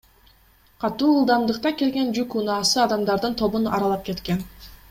Катуу ылдамдыкта келген жүк унаасы адамдардын тобун аралап кеткен.